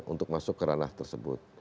untuk masuk ke ranah tersebut